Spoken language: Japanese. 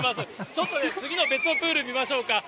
ちょっとね、次の別のプール見ましょうか。